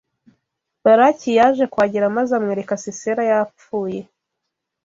Baraki yaje kuhagera maze amwereka Sisera yapfuye!